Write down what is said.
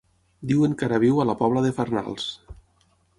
Diuen que ara viu a la Pobla de Farnals.